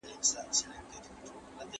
ټولنه باید بې تفاوته پاته نه سي.